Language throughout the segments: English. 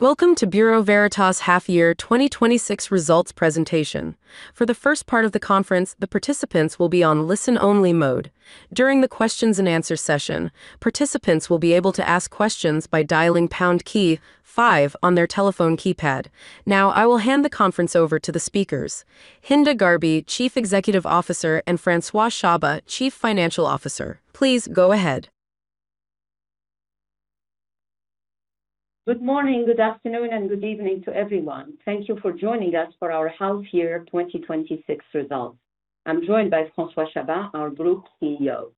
Welcome to Bureau Veritas Half-Year 2026 Results Presentation. For the first part of the conference, the participants will be on listen-only mode. During the questions and answers session, participants will be able to ask questions by dialing pound key five on their telephone keypad. Now, I will hand the conference over to the speakers. Hinda Gharbi, Chief Executive Officer, and François Chabas, Chief Financial Officer. Please go ahead. Good morning, good afternoon, and good evening to everyone. Thank you for joining us for our half year 2026 results. I'm joined by François Chabas, our Group CFO.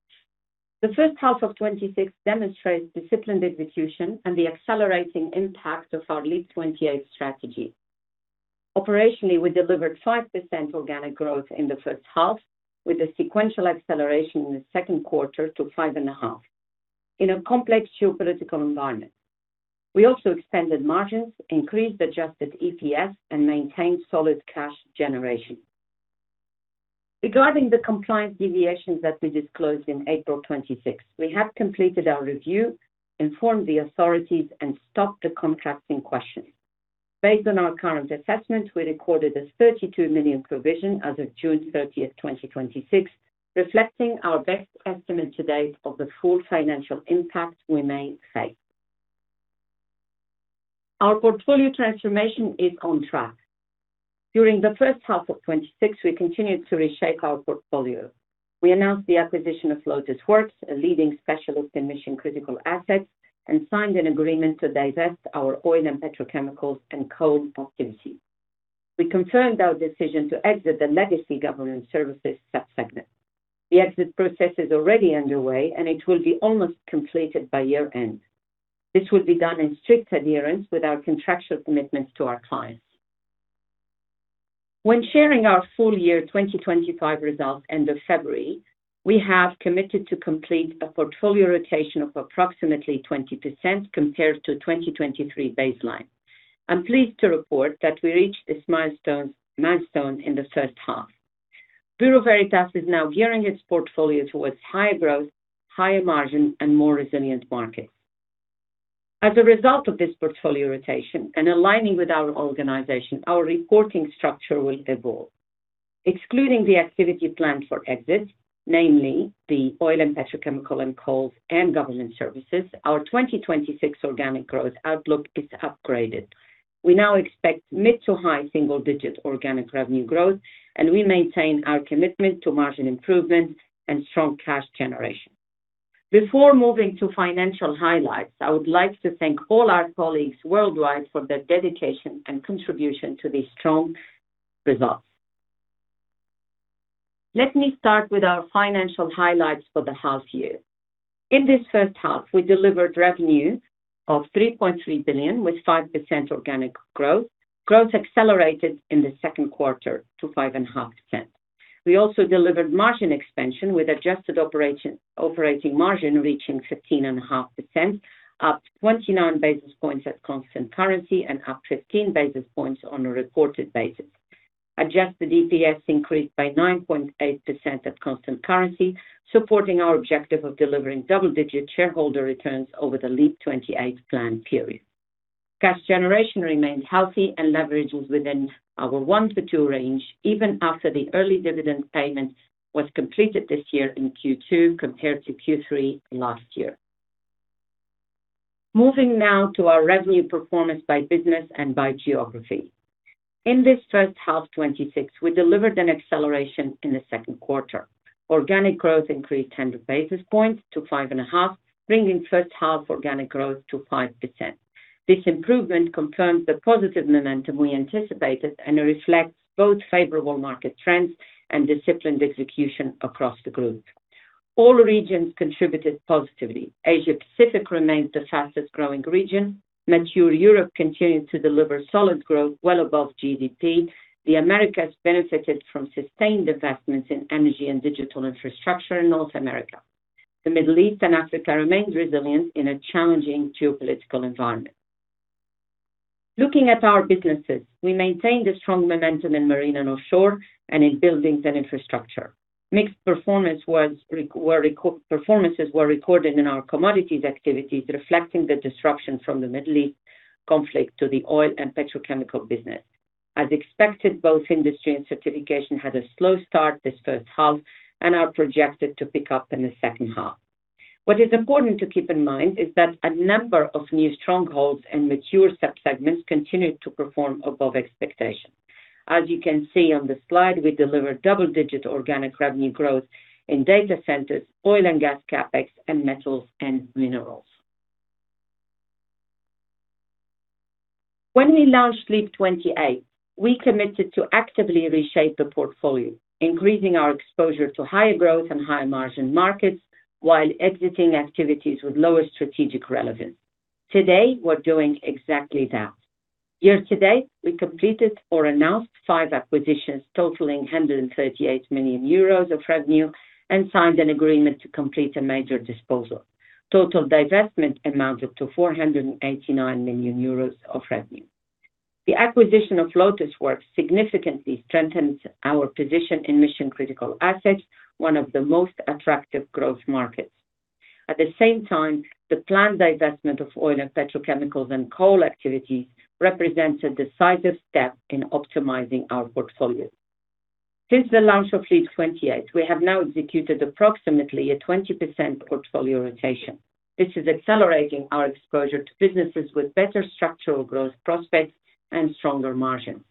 The first half of 2026 demonstrates disciplined execution and the accelerating impact of our LEAP | 28 strategy. Operationally, we delivered 5% organic growth in the first half with a sequential acceleration in the second quarter to 5.5% in a complex geopolitical environment. We also expanded margins, increased adjusted EPS, and maintained solid cash generation. Regarding the compliance deviations that we disclosed in April 2026, we have completed our review, informed the authorities, and stopped the contracts in question. Based on our current assessments, we recorded a 32 million provision as of June 30th, 2026, reflecting our best estimate to date of the full financial impact we may face. Our portfolio transformation is on track. During the first half of 2026, we continued to reshape our portfolio. We announced the acquisition of LotusWorks, a leading specialist in mission-critical assets, and signed an agreement to divest our oil and petrochemicals and coal activities. We confirmed our decision to exit the legacy government services sub-segment. The exit process is already underway, and it will be almost completed by year-end. This will be done in strict adherence with our contractual commitments to our clients. When sharing our full year 2025 results end of February, we have committed to complete a portfolio rotation of approximately 20% compared to 2023 baseline. I'm pleased to report that we reached this milestone in the first half. Bureau Veritas is now gearing its portfolio towards higher growth, higher margin, and more resilient markets. As a result of this portfolio rotation and aligning with our organization, our reporting structure will evolve. Excluding the activity planned for exit, namely the oil and petrochemical and coals and government services, our 2026 organic growth outlook is upgraded. We now expect mid to high single-digit organic revenue growth, and we maintain our commitment to margin improvement and strong cash generation. Before moving to financial highlights, I would like to thank all our colleagues worldwide for their dedication and contribution to these strong results. Let me start with our financial highlights for the half year. In this first half, we delivered revenue of 3.3 billion, with 5% organic growth. Growth accelerated in the second quarter to 5.5%. We also delivered margin expansion with adjusted operating margin reaching 15.5%, up 29 basis points at constant currency and up 15 basis points on a reported basis. Adjusted EPS increased by 9.8% at constant currency, supporting our objective of delivering double-digit shareholder returns over the LEAP | 28 plan period. Cash generation remained healthy and leverage was within our 1-2 range even after the early dividend payment was completed this year in Q2 compared to Q3 last year. Moving now to our revenue performance by business and by geography. In this first half 2026, we delivered an acceleration in the second quarter. Organic growth increased 10 basis points to 5.5%, bringing first-half organic growth to 5%. This improvement confirms the positive momentum we anticipated and reflects both favorable market trends and disciplined execution across the group. All regions contributed positively. Asia Pacific remains the fastest-growing region. Mature Europe continued to deliver solid growth well above GDP. The Americas benefited from sustained investments in energy and digital infrastructure in North America. The Middle East and Africa remained resilient in a challenging geopolitical environment. Looking at our businesses, we maintained a strong momentum in Marine & Offshore and in Buildings & Infrastructure. Mixed performances were recorded in our commodities activities, reflecting the disruption from the Middle East conflict to the oil and petrochemical business. As expected, both industry and certification had a slow start this first half and are projected to pick up in the second half. What is important to keep in mind is that a number of new strongholds and mature sub-segments continued to perform above expectation. As you can see on the slide, we delivered double-digit organic revenue growth in data centers, oil and gas CapEx, and metals and minerals. When we launched LEAP | 28, we committed to actively reshape the portfolio, increasing our exposure to higher growth and higher margin markets while exiting activities with lower strategic relevance. Today, we are doing exactly that. Year to date, we completed or announced five acquisitions totaling 138 million euros of revenue and signed an agreement to complete a major disposal. Total divestment amounted to 489 million euros of revenue. The acquisition of LotusWorks significantly strengthens our position in mission-critical assets, one of the most attractive growth markets. At the same time, the planned divestment of oil and petrochemicals and coal activities represents a decisive step in optimizing our portfolio. Since the launch of LEAP | 28, we have now executed approximately a 20% portfolio rotation, which is accelerating our exposure to businesses with better structural growth prospects and stronger margins.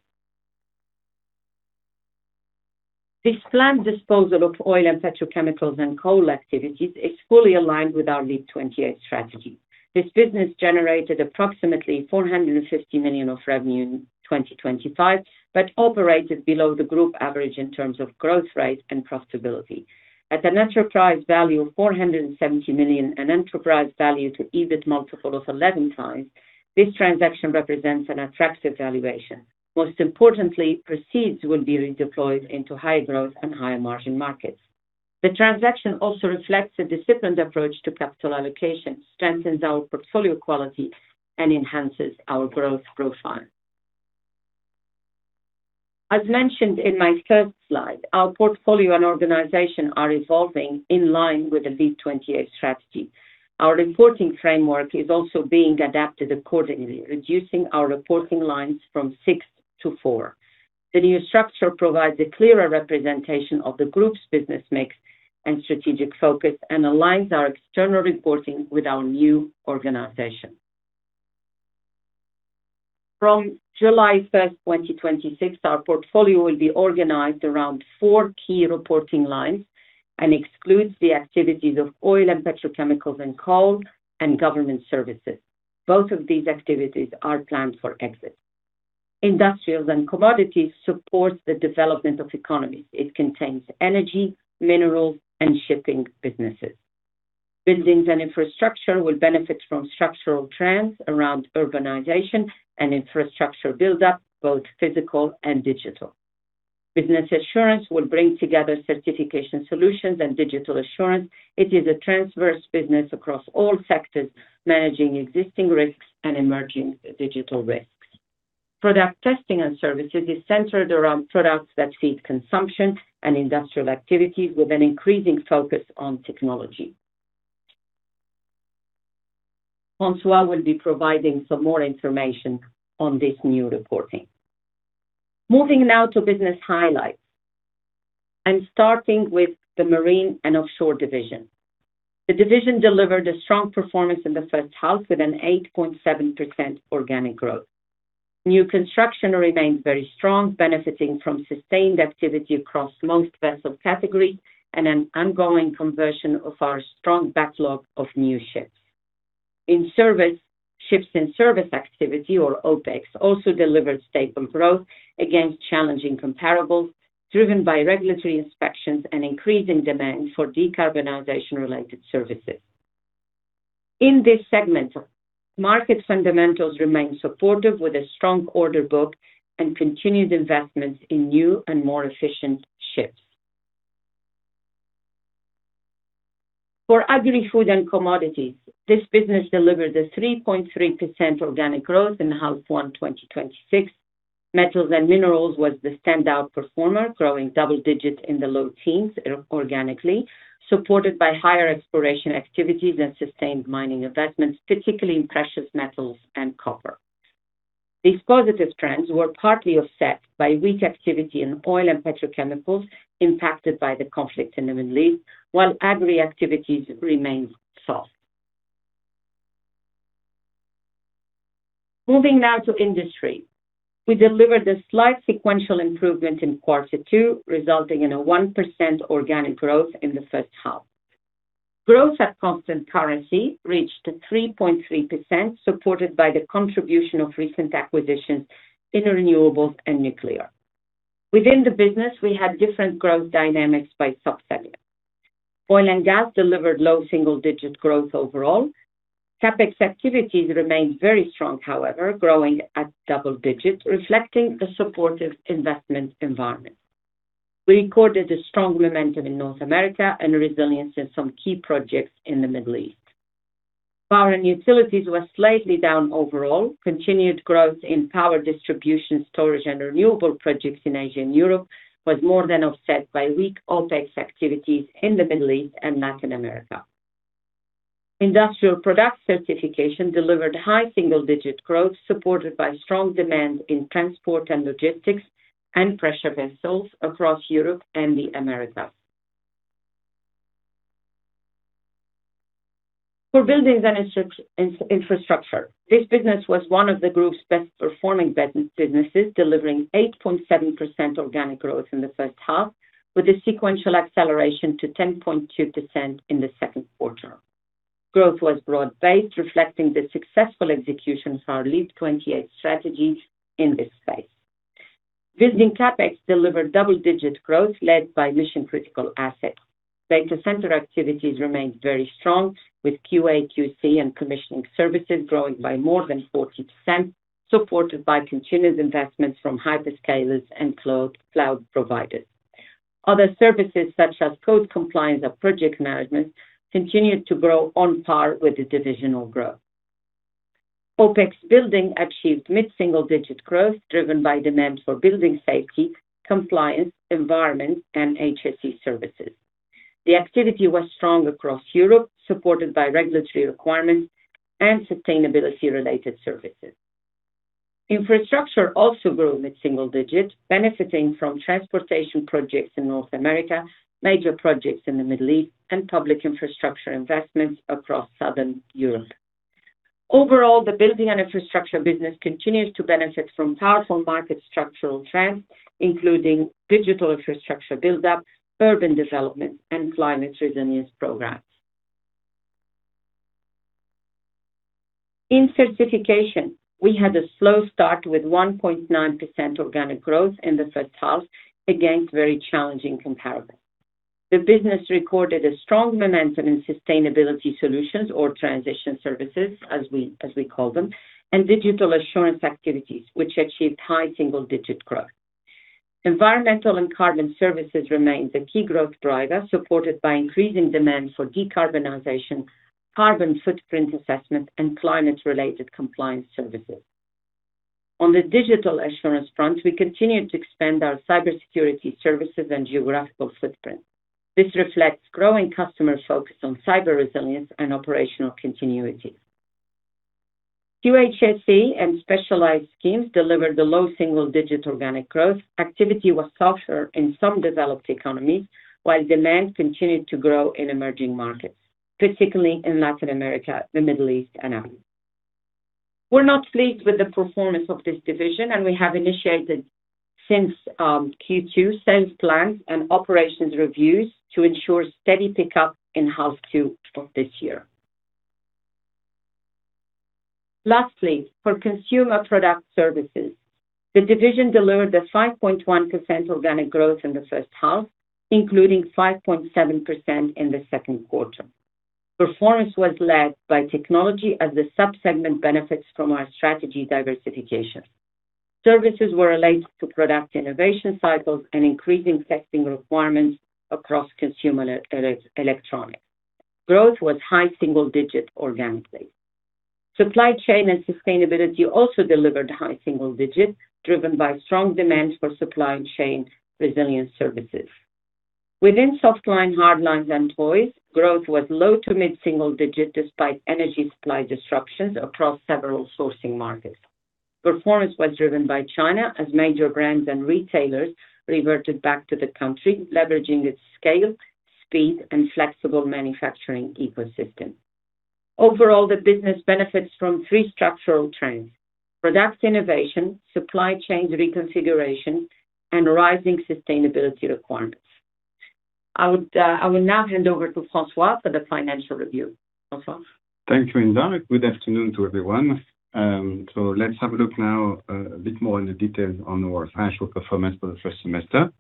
This planned disposal of oil and petrochemicals and coal activities is fully aligned with our LEAP | 28 strategy. This business generated approximately 450 million of revenue in 2025, but operated below the group average in terms of growth rate and profitability. At a net enterprise value of 470 million and enterprise value to EBIT multiple of 11x, this transaction represents an attractive valuation. Most importantly, proceeds will be redeployed into high growth and higher margin markets. The transaction also reflects a disciplined approach to capital allocation, strengthens our portfolio quality, and enhances our growth profile. As mentioned in my first slide, our portfolio and organization are evolving in line with the LEAP | 28 strategy. Our reporting framework is also being adapted accordingly, reducing our reporting lines from six-four. The new structure provides a clearer representation of the group's business mix and strategic focus and aligns our external reporting with our new organization. From July 1st, 2026, our portfolio will be organized around four key reporting lines and excludes the activities of oil and petrochemicals and coal and Government Services. Both of these activities are planned for exit. Industrials & Commodities support the development of economies. It contains energy, minerals, and shipping businesses. Buildings & Infrastructure will benefit from structural trends around urbanization and infrastructure build-up, both physical and digital. Business Assurance will bring together certification solutions and digital assurance. It is a transverse business across all sectors, managing existing risks and emerging digital risks. Product Testing & Services is centered around products that feed consumption and industrial activities with an increasing focus on technology. François will be providing some more information on this new reporting. Moving now to business highlights, starting with the Marine & Offshore division. The division delivered a strong performance in the first half with an 8.7% organic growth. New construction remains very strong, benefiting from sustained activity across most vessel categories and an ongoing conversion of our strong backlog of new ships. In service, ships in service activity or OpEx also delivered statement growth against challenging comparables, driven by regulatory inspections and increasing demand for decarbonization-related services. In this segment, market fundamentals remain supportive with a strong order book and continued investments in new and more efficient ships. For Agri-Food & Commodities, this business delivered a 3.3% organic growth in half one 2026. Metals and minerals was the standout performer, growing double digits in the low teens organically, supported by higher exploration activities and sustained mining investments, particularly in precious metals and copper. These positive trends were partly offset by weak activity in oil and petrochemicals impacted by the conflict in the Middle East, while agri activities remained soft. Moving now to Industry. We delivered a slight sequential improvement in quarter two, resulting in a 1% organic growth in the first half. Growth at constant currency reached 3.3%, supported by the contribution of recent acquisitions in renewables and nuclear. Within the business, we had different growth dynamics by subsector. Oil and gas delivered low single-digit growth overall. CapEx activities remained very strong, however, growing at double digits, reflecting a supportive investment environment. We recorded a strong momentum in North America and resilience in some key projects in the Middle East. Power and Utilities was slightly down overall. Continued growth in power distribution, storage, and renewable projects in Asia and Europe was more than offset by weak OpEx activities in the Middle East and Latin America. Industrial Product Certification delivered high single-digit growth, supported by strong demand in transport and logistics and pressure vessels across Europe and the Americas. For Buildings & Infrastructure, this business was one of the group's best-performing businesses, delivering 8.7% organic growth in the first half with a sequential acceleration to 10.2% in the second quarter. Growth was broad-based, reflecting the successful execution of our LEAP | 28 strategies in this space. Building CapEx delivered double-digit growth led by mission-critical assets. Data center activities remained very strong, with QA, QC, and commissioning services growing by more than 40%, supported by continued investments from hyperscalers and cloud providers. Other services such as code compliance or project management continued to grow on par with the divisional growth. OpEx Building achieved mid-single digit growth driven by demand for building safety, compliance, environment, and HSE services. The activity was strong across Europe, supported by regulatory requirements and sustainability-related services. Infrastructure also grew mid-single digit, benefiting from transportation projects in North America, major projects in the Middle East, and public infrastructure investments across Southern Europe. The Buildings & Infrastructure business continues to benefit from powerful market structural trends, including digital infrastructure build-up, urban development, and climate resilience programs. In certification, we had a slow start with 1.9% organic growth in the first half against very challenging comparables. The business recorded a strong momentum in sustainability solutions or transition services, as we call them, and digital assurance activities, which achieved high single-digit growth. Environmental and carbon services remains a key growth driver, supported by increasing demand for decarbonization, carbon footprint assessment, and climate-related compliance services. On the digital assurance front, we continued to expand our cybersecurity services and geographical footprint. This reflects growing customer focus on cyber resilience and operational continuity. QHSE and specialized schemes delivered a low single-digit organic growth. Activity was softer in some developed economies, while demand continued to grow in emerging markets, particularly in Latin America, the Middle East, and Africa. We're not pleased with the performance of this division, and we have initiated since Q2 sales plans and operations reviews to ensure steady pickup in half two of this year. For Consumer Products Services, the division delivered a 5.1% organic growth in the first half, including 5.7% in the second quarter. Performance was led by CPS Technology as the sub-segment benefits from our strategy diversification. Services were related to product innovation cycles and increasing testing requirements across consumer electronics. Growth was high single digit organically. Supply chain and sustainability also delivered high single digit, driven by strong demand for supply chain resilience services. Within softline, hardlines, and toys, growth was low to mid-single digit despite energy supply disruptions across several sourcing markets. Performance was driven by China as major brands and retailers reverted back to the country, leveraging its scale, speed, and flexible manufacturing ecosystem. The business benefits from three structural trends: product innovation, supply chain reconfiguration, and rising sustainability requirements. I will now hand over to François for the financial review. François? Thank you, Hinda. Good afternoon to everyone. Let's have a look now a bit more in the details on our financial performance for the first semester.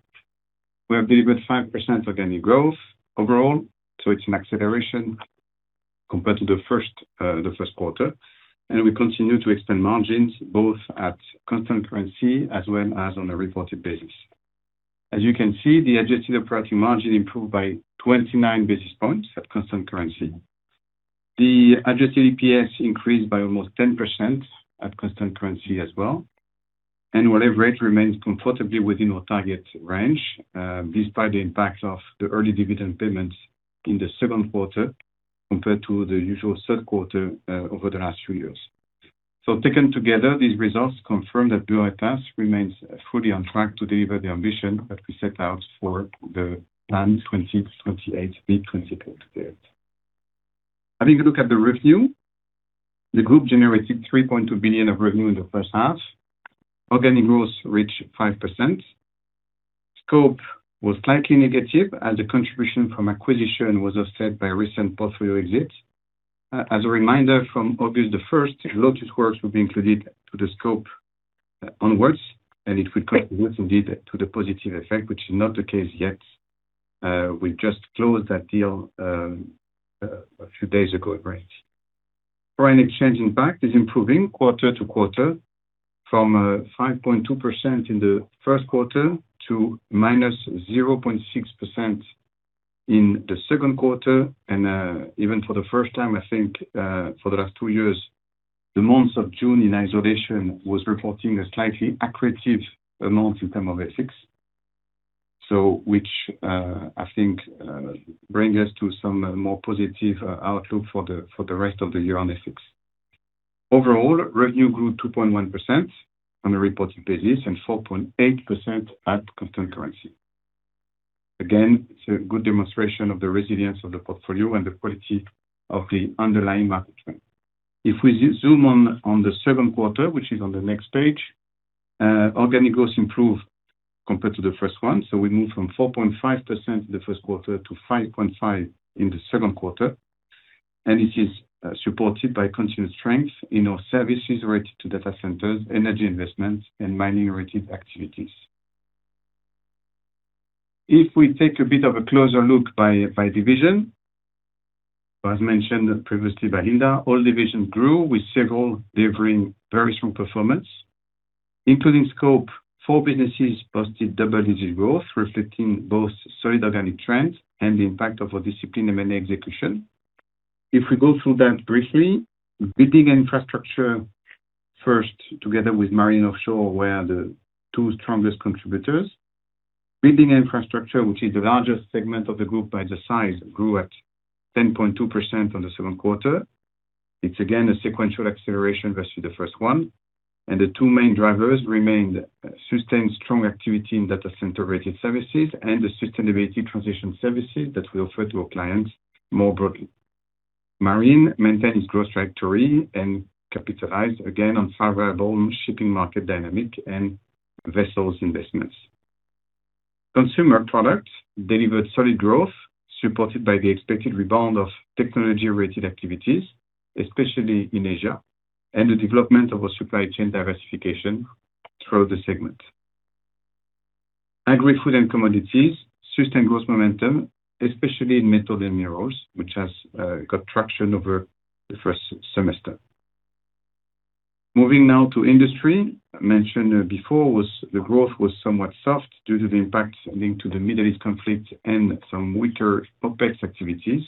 We have delivered 5% organic growth overall, it's an acceleration compared to the first quarter. We continue to expand margins both at constant currency as well as on a reported basis. As you can see, the adjusted operating margin improved by 29 basis points at constant currency. The adjusted EPS increased by almost 10% at constant currency as well, and our leverage remains comfortably within our target range, despite the impact of the early dividend payments in the second quarter compared to the usual third quarter over the last three years. Taken together, these results confirm that Bureau Veritas remains fully on track to deliver the ambition that we set out for LEAP | 28. Having a look at the revenue, the group generated 3.2 billion of revenue in the first half. Organic growth reached 5%. Scope was slightly negative as the contribution from acquisition was offset by recent portfolio exits. As a reminder, from August 1st, LotusWorks will be included to the scope onwards, and it will contribute indeed to the positive effect, which is not the case yet. We just closed that deal a few days ago. Foreign exchange impact is improving quarter to quarter from a 5.2% in the first quarter to -0.6% in the second quarter. And even for the first time, I think, for the last two years, the months of June in isolation was reporting a slightly accretive amount in term of FX. Which I think brings us to some more positive outlook for the rest of the year on FX. Overall, revenue grew 2.1% on a reported basis and 4.8% at constant currency. Again, it's a good demonstration of the resilience of the portfolio and the quality of the underlying market trend. If we zoom on the second quarter, which is on the next page, organic growth improved compared to the first one. We moved from 4.5% in the first quarter to 5.5% in the second quarter. And it is supported by continued strength in our services related to data centers, energy investments, and mining-related activities. If we take a bit of a closer look by division. As mentioned previously by Hinda, all divisions grew with several delivering very strong performance. Including scope, four businesses posted double-digit growth, reflecting both solid organic trends and the impact of our disciplined M&A execution. If we go through that briefly, Buildings & Infrastructure first, together with Marine & Offshore, were the two strongest contributors. Buildings & Infrastructure, which is the largest segment of the group by the size, grew at 10.2% on the second quarter. It's again a sequential acceleration versus the first one, and the two main drivers remained sustained strong activity in data center-related services and the sustainability transition services that we offer to our clients more broadly. Marine maintained its growth trajectory and capitalized again on favorable shipping market dynamic and vessels investments. Consumer Products delivered solid growth supported by the expected rebound of technology-related activities, especially in Asia, and the development of a supply chain diversification throughout the segment. Agri-Food & Commodities sustained growth momentum, especially in metal and minerals, which has got traction over the first semester. Moving now to Industry. I mentioned before the growth was somewhat soft due to the impact linked to the Middle East conflict and some weaker OpEx activities,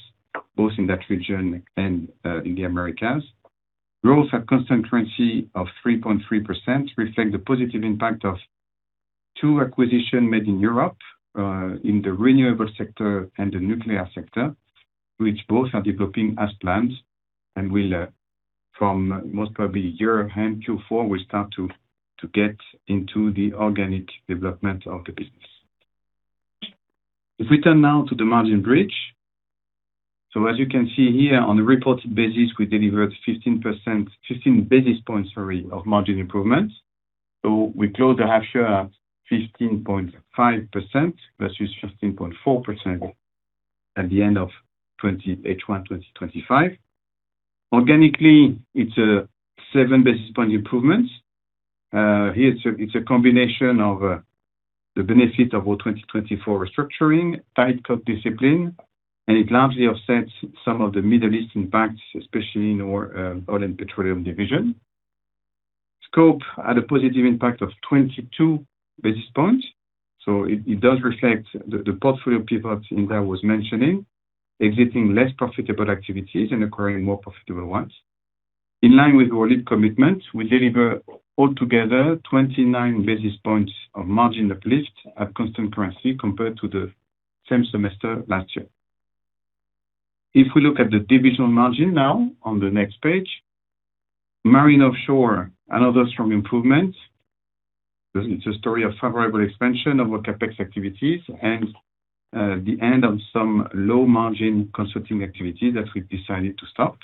both in that region and in the Americas. Growth at constant currency of 3.3% reflect the positive impact of two acquisition made in Europe, in the renewable sector and the nuclear sector, which both are developing as planned and will, from most probably year end Q4, will start to get into the organic development of the business. If we turn now to the margin bridge. As you can see here, on a reported basis, we delivered 15 basis points of margin improvement. We closed the half year at 15.5% versus 15.4% at the end of H1 2025. Organically, it's a seven basis point improvement. Here it's a combination of the benefit of our 2024 restructuring, tight cost discipline, and it largely offsets some of the Middle East impacts, especially in our oil and petroleum division. Scope had a positive impact of 22 basis points. It does reflect the portfolio pivots Hinda was mentioning, exiting less profitable activities and acquiring more profitable ones. In line with our LEAP | 28 commitment, we deliver altogether 29 basis points of margin uplift at constant currency compared to the same semester last year. If we look at the divisional margin now on the next page. Marine & Offshore, another strong improvement. It's a story of favorable expansion of our CapEx activities and the end of some low-margin consulting activity that we've decided to stop.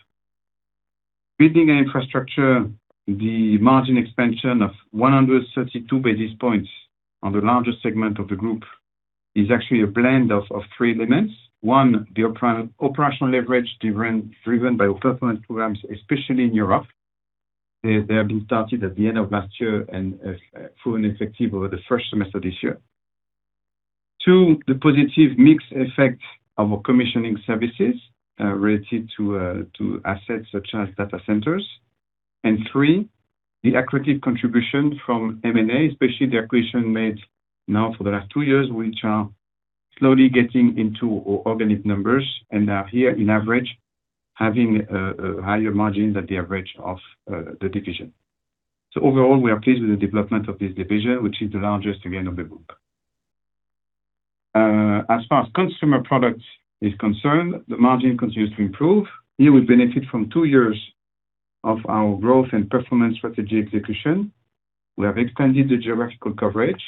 Buildings & Infrastructure, the margin expansion of 132 basis points on the largest segment of the group is actually a blend of three elements. One, the operational leverage driven by our performance programs, especially in Europe. They have been started at the end of last year and are fully in effect over the first semester this year. Two, the positive mix effect of our commissioning services related to assets such as data centers. Three, the accretive contribution from M&A, especially the acquisition made now for the last two years, which are slowly getting into organic numbers and are here in average, having higher margins at the average of the division. Overall, we are pleased with the development of this division, which is the largest again of the group. As far as consumer products is concerned, the margin continues to improve. Here we benefit from two years of our growth and performance strategy execution. We have expanded the geographical coverage,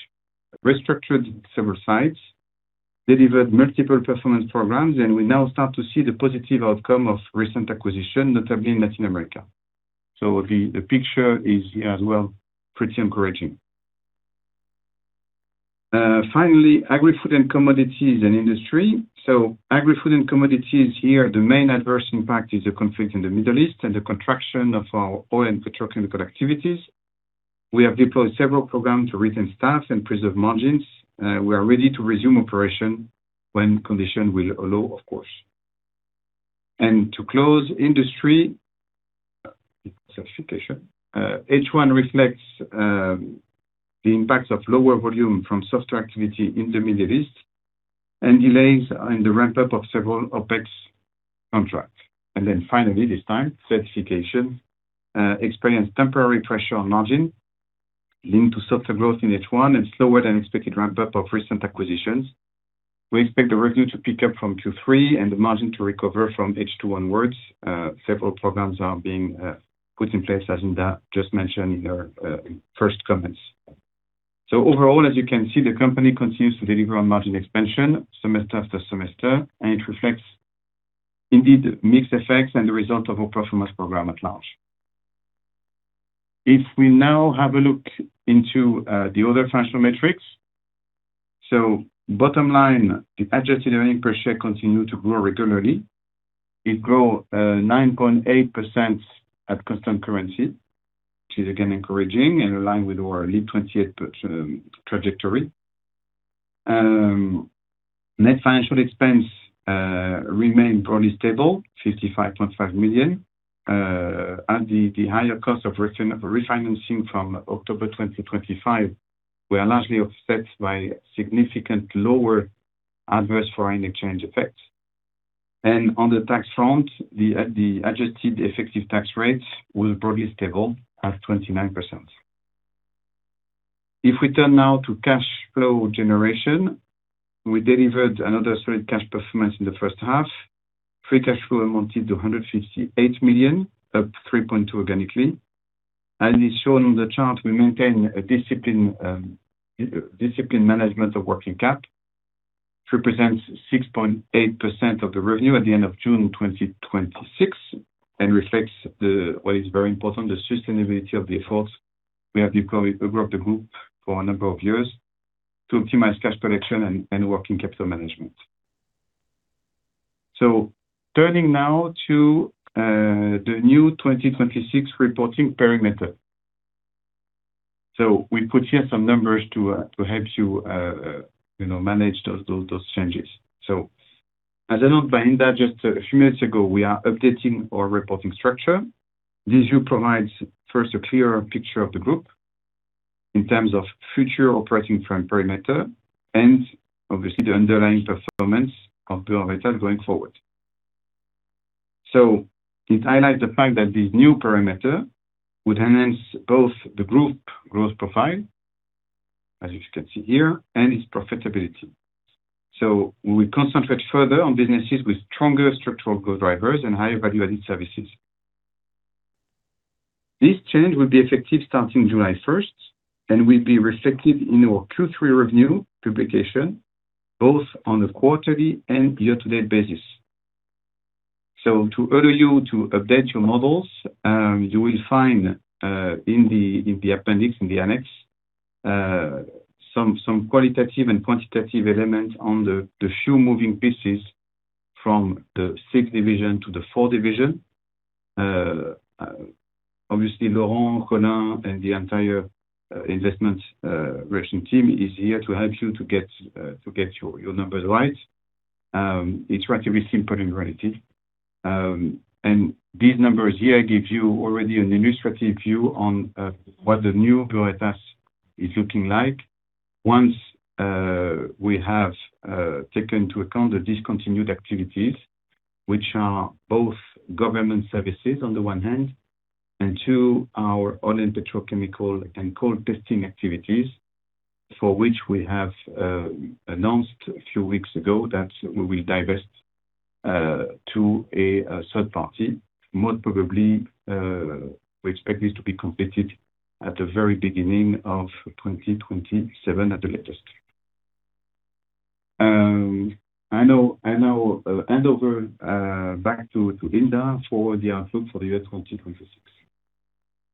restructured several sites, delivered multiple performance programs, and we now start to see the positive outcome of recent acquisition, notably in Latin America. The picture is here as well, pretty encouraging. Finally, Agri-Food & Commodities, and Industrials and Commodities. Agri-Food & Commodities here, the main adverse impact is the conflict in the Middle East and the contraction of our oil and petrochemical activities. We have deployed several programs to retain staff and preserve margins. We are ready to resume operation when conditions will allow, of course. To close, Industrials and Commodities. H1 reflects the impact of lower volume from softer activity in the Middle East and delays in the ramp-up of several OpEx contracts. Finally, this time, certification experienced temporary pressure on margin linked to softer growth in H1 and slower-than-expected ramp-up of recent acquisitions. We expect the revenue to pick up from Q3 and the margin to recover from H2 onwards. Several programs are being put in place, as Hinda just mentioned in her first comments. Overall, as you can see, the company continues to deliver on margin expansion semester after semester, and it reflects indeed mixed effects and the result of our performance program at large. If we now have a look into the other financial metrics. Bottom line, the adjusted earnings per share continue to grow regularly. It grow 9.8% at constant currency, which is again encouraging and in line with our LEAP | 28 trajectory. Net financial expense remained broadly stable, 55.5 million. The higher cost of refinancing from October 2025 were largely offset by significant lower adverse foreign exchange effects. On the tax front, the adjusted effective tax rates will be broadly stable at 29%. If we turn now to cash flow generation, we delivered another solid cash performance in the first half. Free cash flow amounted to 158 million, up 3.2% organically. As is shown on the chart, we maintain a disciplined management of working cap. Represents 6.8% of revenue at the end of June 2026 and reflects what is very important, the sustainability of the efforts we have deployed throughout the group for a number of years to optimize cash collection and working capital management. We put here some numbers to help you manage those changes. As announced by Hinda just a few minutes ago, we are updating our reporting structure. This view provides first a clearer picture of the group in terms of future operating parameter and obviously the underlying performance of Bureau Veritas going forward. It highlights the fact that this new parameter would enhance both the group growth profile, as you can see here, and its profitability. We concentrate further on businesses with stronger structural growth drivers and higher value-added services. This change will be effective starting July 1st and will be reflected in our Q3 revenue publication, both on the quarterly and year-to-date basis. To enable you to update your models, you will find in the appendix some qualitative and quantitative elements on the few moving pieces from the six division to the four division. Obviously, Laurent, Colin, and the entire Investor Relations team is here to help you to get your numbers right. It's relatively simple in reality. And these numbers here give you already an illustrative view on what the new Bureau Veritas is looking like. Once we have taken into account the discontinued activities, which are both government services on the one hand, and two, our oil and petrochemical and coal testing activities, for which we have announced a few weeks ago that we will divest to a third party. Most probably, we expect this to be completed at the very beginning of 2027 at the latest. I now hand over back to Hinda for the outlook for the year 2026.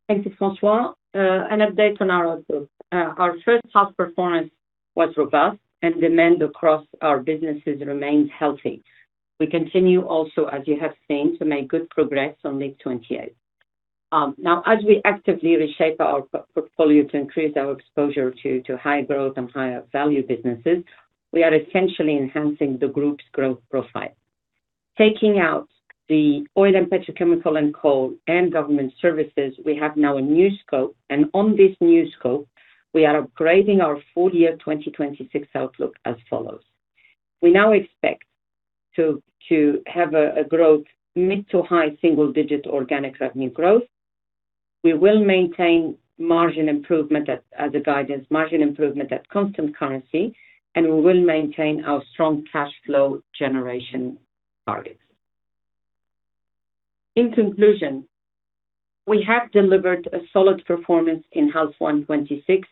Thank you, François. An update on our outlook. Our first half performance was robust and demand across our businesses remains healthy. We continue also, as you have seen, to make good progress on LEAP | 28. As we actively reshape our portfolio to increase our exposure to high growth and higher value businesses, we are essentially enhancing the group's growth profile. Taking out the oil and petrochemical and coal and government services, we have now a new scope, and on this new scope, we are upgrading our full year 2026 outlook as follows. We now expect to have a growth mid to high single-digit organic revenue growth. We will maintain margin improvement as a guidance, margin improvement at constant currency, and we will maintain our strong cash flow generation targets. In conclusion, we have delivered a solid performance in H1 2026,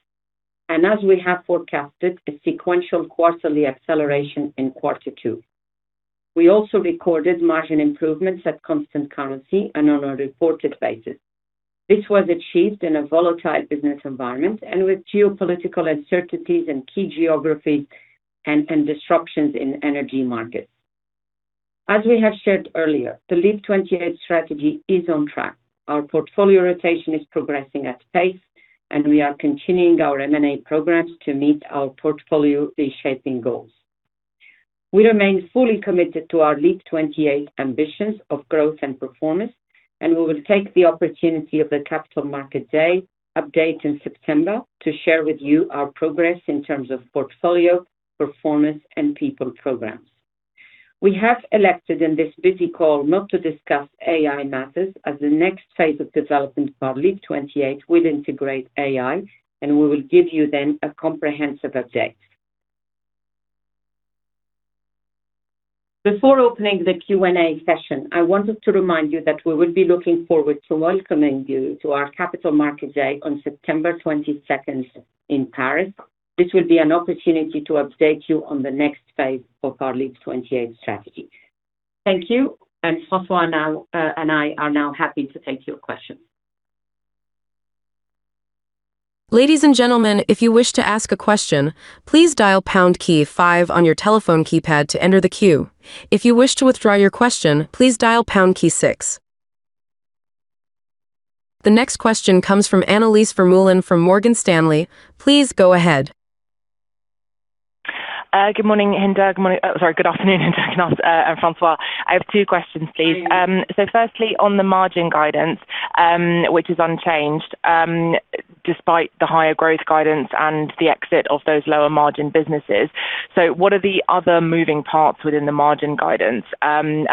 as we have forecasted, a sequential quarterly acceleration in quarter two. We also recorded margin improvements at constant currency and on a reported basis. This was achieved in a volatile business environment and with geopolitical uncertainties in key geographies and disruptions in energy markets. As we have shared earlier, the LEAP | 28 strategy is on track. Our portfolio rotation is progressing at pace, and we are continuing our M&A programs to meet our portfolio reshaping goals. We remain fully committed to our LEAP | 28 ambitions of growth and performance, and we will take the opportunity of the Capital Markets Day update in September to share with you our progress in terms of portfolio, performance, and people programs. We have elected in this busy call not to discuss AI matters as the next phase of development for LEAP | 28 will integrate AI, and we will give you then a comprehensive update. Before opening the Q&A session, I wanted to remind you that we will be looking forward to welcoming you to our Capital Markets Day on September 22nd in Paris. This will be an opportunity to update you on the next phase for our LEAP | 28 strategy. Thank you. François and I are now happy to take your questions. Ladies and gentlemen, if you wish to ask a question, please dial pound key five on your telephone keypad to enter the queue. If you wish to withdraw your question, please dial pound key six. The next question comes from Annelies Vermeulen from Morgan Stanley. Please go ahead. Good morning, Hinda. Good afternoon, Hinda and François. I have two questions, please. Firstly, on the margin guidance, which is unchanged, despite the higher growth guidance and the exit of those lower margin businesses.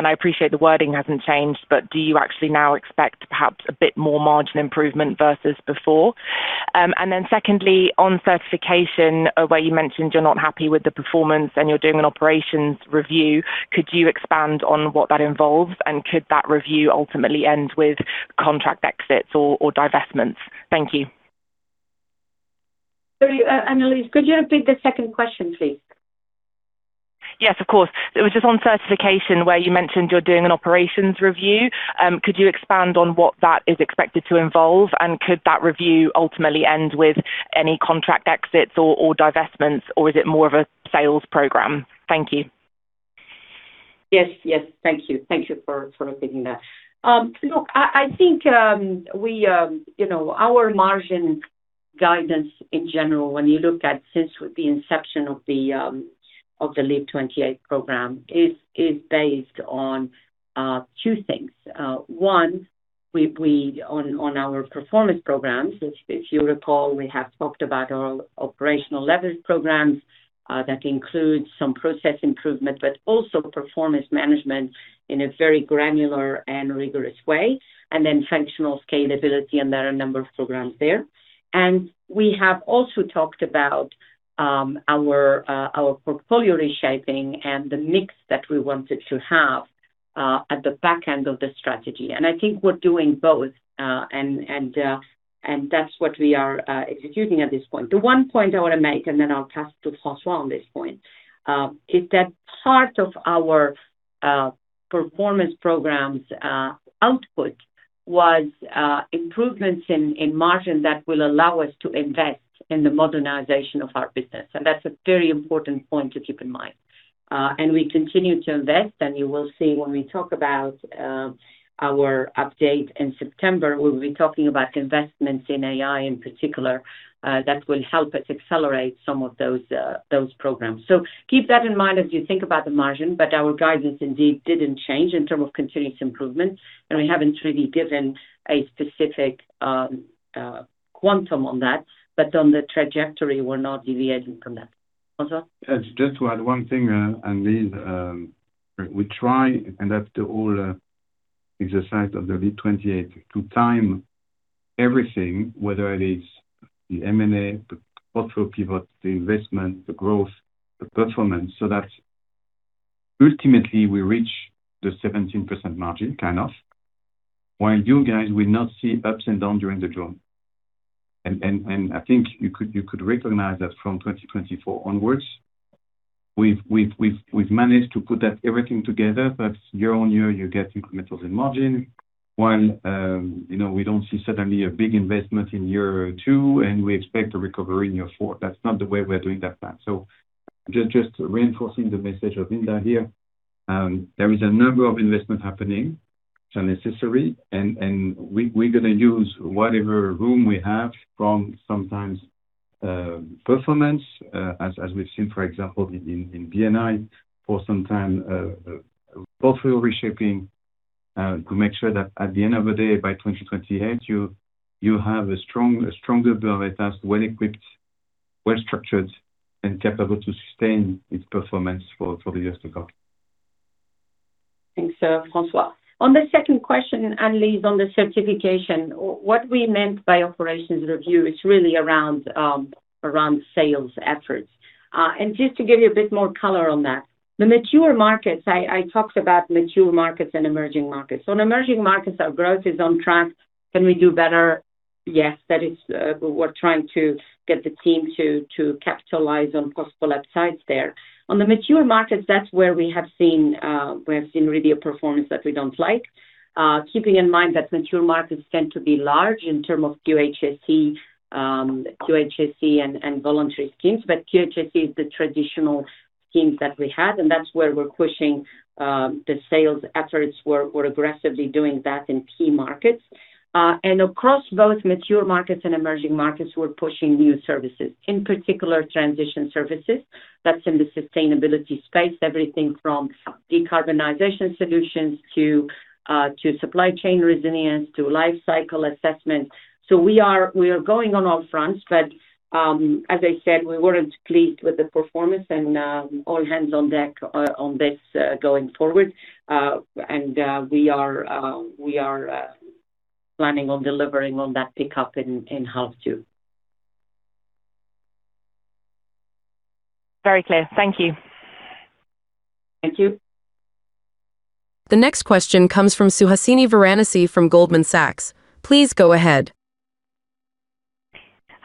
I appreciate the wording hasn't changed, but do you actually now expect perhaps a bit more margin improvement versus before? Then secondly, on certification, where you mentioned you're not happy with the performance and you're doing an operations review, could you expand on what that involves, and could that review ultimately end with contract exits or divestments? Thank you. Sorry, Annelies, could you repeat the second question, please? Yes, of course. It was just on certification, where you mentioned you're doing an operations review. Could you expand on what that is expected to involve, and could that review ultimately end with any contract exits or divestments, or is it more of a sales program? Thank you. Yes. Thank you. Thank you for repeating that. I think our margin guidance in general, when you look at since the inception of the LEAP | 28 program, is based on two things. One, on our performance programs, which if you recall, we have talked about our operational leverage programs. That includes some process improvement, but also performance management in a very granular and rigorous way, then functional scalability, and there are a number of programs there. We have also talked about our portfolio reshaping and the mix that we wanted to have at the back end of the strategy. I think we're doing both, and that's what we are executing at this point. The one point I want to make, then I'll pass to François on this point, is that part of our performance program's output was improvements in margin that will allow us to invest in the modernization of our business, that's a very important point to keep in mind. We continue to invest, you will see when we talk about our update in September, we'll be talking about investments in AI in particular, that will help us accelerate some of those programs. Keep that in mind as you think about the margin, our guidance indeed didn't change in terms of continuous improvement, we haven't really given a specific quantum on that. On the trajectory, we're not deviating from that. François? Just to add one thing, Annelies. We try, and after all the exercise of the LEAP | 28, to time everything, whether it is the M&A, the portfolio pivot, the investment, the growth, the performance, so that ultimately we reach the 17% margin kind of, while you guys will not see ups and down during the journey. I think you could recognize that from 2024 onwards, we've managed to put everything together, but year-on-year you get incrementals in margin while we don't see suddenly a big investment in year two, and we expect a recovery in year four. That's not the way we are doing that plan. Just reinforcing the message of Hinda here. There is a number of investments happening. It's necessary, we're going to use whatever room we have from sometimes performance, as we've seen, for example, in B&I, for some time portfolio reshaping, to make sure that at the end of the day, by 2028, you have a stronger Bureau Veritas, well-equipped, well-structured, and capable to sustain its performance for the years to come. Thanks, François. On the second question, Annelies, on the certification, what we meant by operations review is really around sales efforts. Just to give you a bit more color on that. The mature markets, I talked about mature markets and emerging markets. In emerging markets, our growth is on track. Can we do better? Yes. We're trying to get the team to capitalize on possible upsides there. On the mature markets, that's where we have seen really a performance that we don't like. Keeping in mind that mature markets tend to be large in terms of QHSE and voluntary schemes. QHSE is the traditional schemes that we have, and that's where we're pushing the sales efforts. We're aggressively doing that in key markets. Across both mature markets and emerging markets, we're pushing new services, in particular transition services. That's in the sustainability space, everything from decarbonization solutions to supply chain resilience to life cycle assessment. We are going on all fronts, but as I said, we weren't pleased with the performance, and all hands on deck on this going forward. We are planning on delivering on that pickup in half two. Very clear. Thank you. Thank you. The next question comes from Suhasini Varanasi from Goldman Sachs. Please go ahead.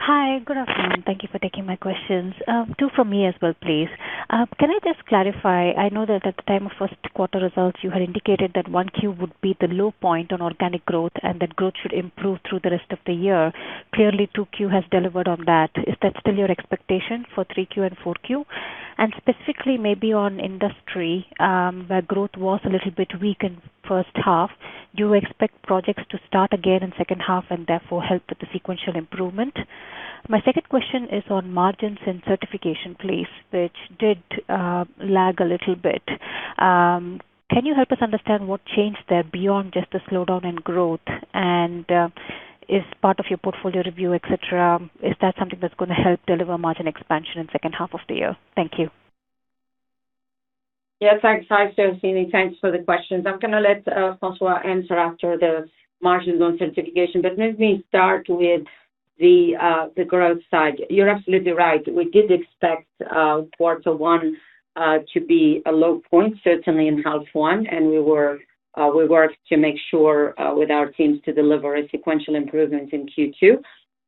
Hi. Good afternoon. Thank you for taking my questions. Two from me as well, please. Can I just clarify, I know that at the time of first quarter results, you had indicated that 1Q would be the low point on organic growth, and that growth should improve through the rest of the year. Clearly, 2Q has delivered on that. Is that still your expectation for 3Q and 4Q? Specifically maybe on industry, where growth was a little bit weak in first half. Do you expect projects to start again in second half and therefore help with the sequential improvement? My second question is on margins and certification, please, which did lag a little bit. Can you help us understand what changed there beyond just the slowdown in growth? Is part of your portfolio review, et cetera, is that something that's going to help deliver margin expansion in second half of the year? Thank you. Yes, thanks. Hi, Suhasini. Thanks for the questions. I'm going to let François answer after the margins on certification. Let me start with the growth side. You're absolutely right. We did expect quarter one to be a low point, certainly in half one, and we worked to make sure with our teams to deliver a sequential improvement in Q2.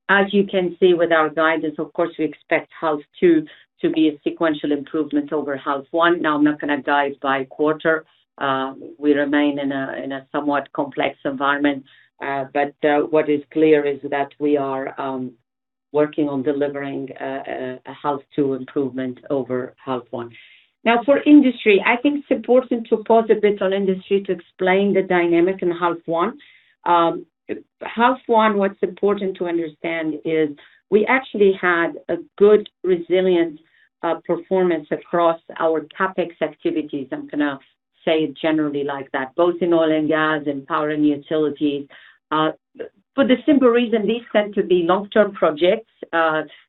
As you can see with our guidance, of course, we expect half two to be a sequential improvement over half one. I'm not going to dive by quarter. We remain in a somewhat complex environment. What is clear is that we are working on delivering a half two improvement over half one. For industry, I think it's important to pause a bit on industry to explain the dynamic in half one. Half one, what's important to understand is we actually had a good resilient performance across our CapEx activities. I'm going to say it generally like that, both in oil and gas and Power & Utilities. For the simple reason, these tend to be long-term projects.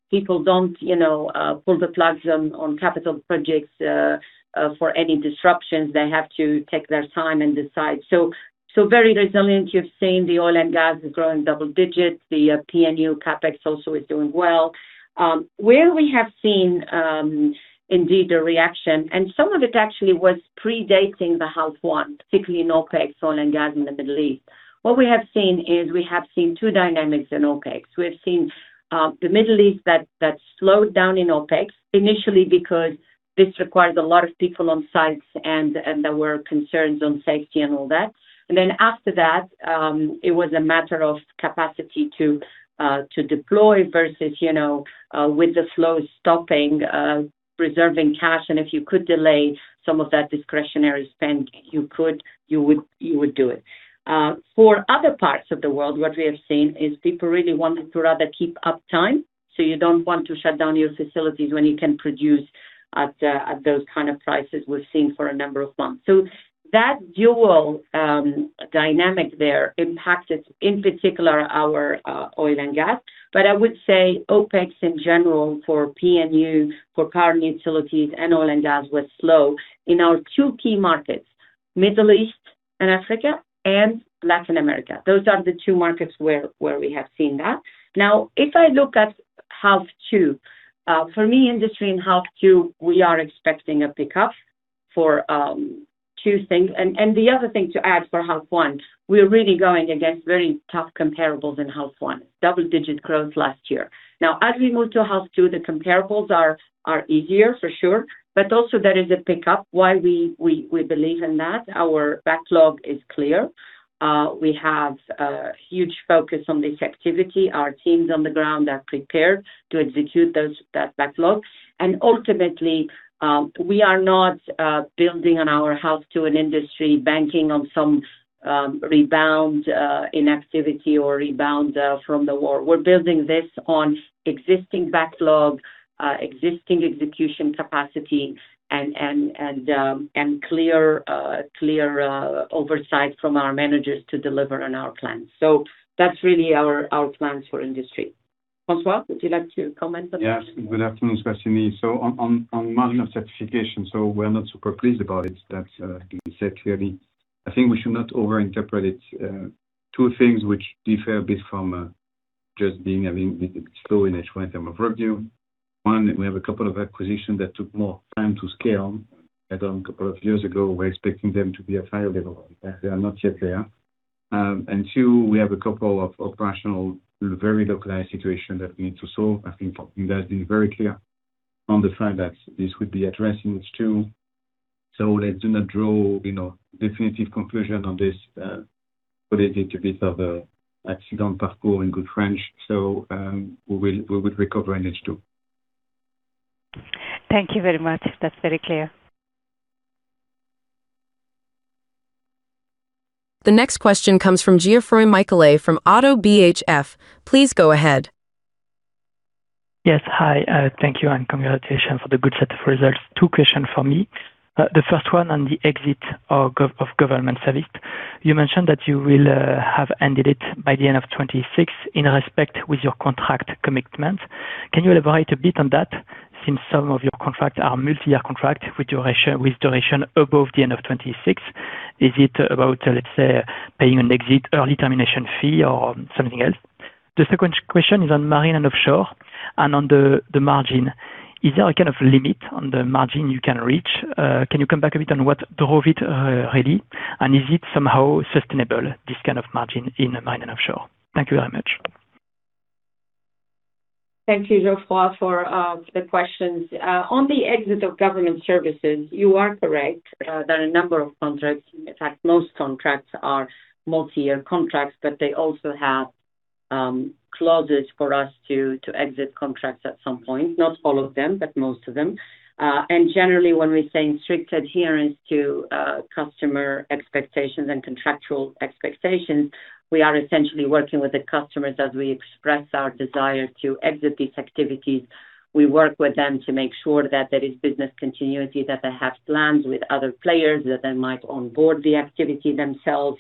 People don't pull the plugs on capital projects for any disruptions. They have to take their time and decide. Very resilient. You've seen the oil and gas is growing double digits. The P&U CapEx also is doing well. Where we have seen indeed a reaction, and some of it actually was predating the half one, particularly in OpEx oil and gas in the Middle East. What we have seen is we have seen two dynamics in OpEx. We have seen the Middle East that slowed down in OpEx initially because this requires a lot of people on sites, and there were concerns on safety and all that. After that, it was a matter of capacity to deploy versus with the flow stopping, preserving cash, and if you could delay some of that discretionary spend, you would do it. For other parts of the world, what we have seen is people really wanted to rather keep uptime. You don't want to shut down your facilities when you can produce at those kind of prices we've seen for a number of months. That dual dynamic there impacted, in particular, our oil and gas. I would say OpEx in general for P&U, for Power & Utilities and oil and gas was slow in our two key markets, Middle East and Africa and Latin America. Those are the two markets where we have seen that. If I look at half two, for me, industry in half two, we are expecting a pickup for two things. The other thing to add for half one, we are really going against very tough comparables in half one, double-digit growth last year. As we move to half two, the comparables are easier for sure. Also there is a pickup why we believe in that. Our backlog is clear. We have a huge focus on this activity. Our teams on the ground are prepared to execute that backlog. Ultimately, we are not building on our half two in industry, banking on some rebound in activity or rebound from the war. We're building this on existing backlog, existing execution capacity and clear oversight from our managers to deliver on our plans. That's really our plans for industry. François, would you like to comment on that? Yes. Good afternoon, Suhasini. On margin of certification, we're not super pleased about it. That's been said clearly. I think we should not over-interpret it. Two things which differ a bit from just being a bit slow in H1 in term of review. One, we have a couple of acquisitions that took more time to scale. A couple of years ago, we're expecting them to be at higher level. They are not yet there. Two, we have a couple of operational, very localized situation that we need to solve. I think you guys been very clear on the fact that this would be addressed in H2. Let's do not draw definitive conclusion on this. It is in good French. We will recover in H2. Thank you very much. That's very clear. The next question comes from Geoffroy Michalet from Oddo BHF. Please go ahead. Yes, hi. Thank you, and congratulations for the good set of results. Two question for me. The first one on the exit of Government Services. You mentioned that you will have ended it by the end of 2026 in respect with your contract commitments. Can you elaborate a bit on that since some of your contract are multi-year contract with duration above the end of 2026? Is it about, let's say, paying an exit early termination fee or something else? The second question is on Marine & Offshore and on the margin. Is there a kind of limit on the margin you can reach? Can you come back a bit on what drove it really? Is it somehow sustainable, this kind of margin in Marine & Offshore? Thank you very much. Thank you, Geoffroy, for the questions. On the exit of Government Services, you are correct, that a number of contracts, in fact, most contracts are multi-year contracts, but they also have clauses for us to exit contracts at some point. Not all of them, but most of them. Generally, when we're saying strict adherence to customer expectations and contractual expectations, we are essentially working with the customers as we express our desire to exit these activities. We work with them to make sure that there is business continuity, that they have plans with other players, that they might onboard the activity themselves.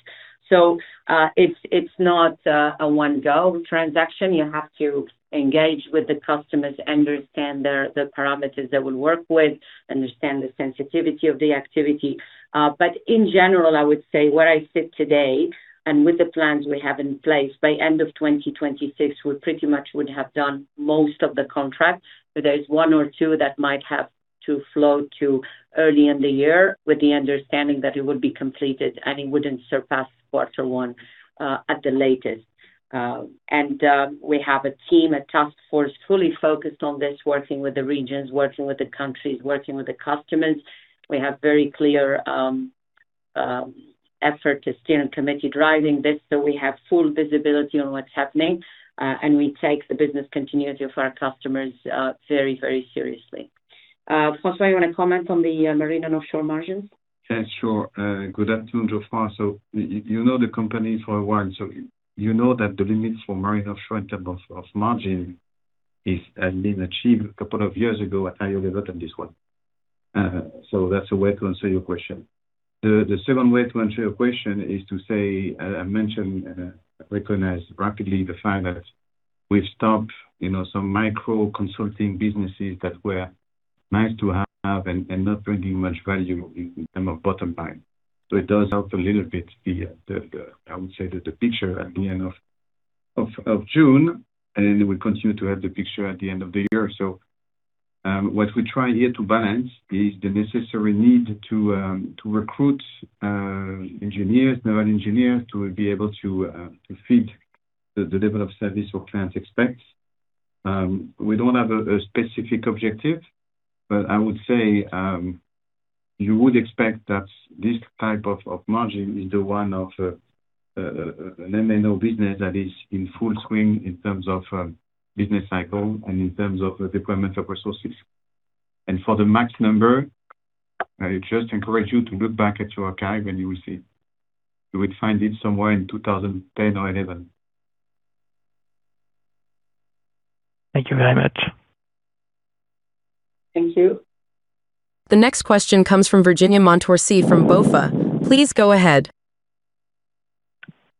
It's not a one-go transaction. You have to engage with the customers, understand the parameters they will work with, understand the sensitivity of the activity. In general, I would say where I sit today and with the plans we have in place, by end of 2026, we pretty much would have done most of the contracts. There's one or two that might have to flow to early in the year with the understanding that it would be completed and it wouldn't surpass quarter one at the latest. We have a team, a task force, fully focused on this, working with the regions, working with the countries, working with the customers. We have very clear effort, the steering committee driving this, we have full visibility on what's happening. We take the business continuity of our customers very seriously. François, you want to comment on the Marine & Offshore margins? Yeah, sure. Good afternoon, Geoffroy. You know the company for a while, so you know that the limits for Marine & Offshore in terms of margin has been achieved a couple of years ago at a higher level than this one. That's a way to answer your question. The second way to answer your question is to say, I mentioned, recognize rapidly the fact that we've stopped some micro consulting businesses that were nice to have and not bringing much value in terms of bottom line. It does help a little bit, I would say, the picture at the end of June, and it will continue to help the picture at the end of the year. What we try here to balance is the necessary need to recruit engineers, non-engineers, to be able to feed the level of service our clients expect. We don't have a specific objective, but I would say you would expect that this type of margin is the one of an M&O business that is in full swing in terms of business cycle and in terms of deployment of resources. For the max number, I just encourage you to look back at your archive and you will see. You will find it somewhere in 2010 or 2011. Thank you very much. Thank you. The next question comes from Virginia Montorsi from BofA. Please go ahead.